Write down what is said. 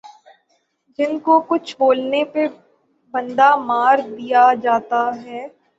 جن کو کچھ بولنے پر بندہ مار دیا جاتا ھے